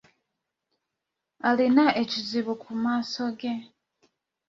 Alina ekizibu ku maaso ge.